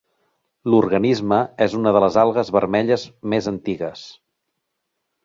L'organisme és una de les algues vermelles més antigues.